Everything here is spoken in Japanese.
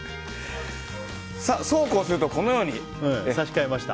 そうこうすると、このように。